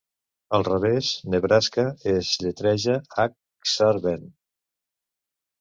Al revés, "Nebraska" es lletreja Ak-Sar-Ben.